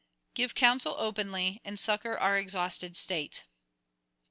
Give counsel openly, and succour our exhausted state.'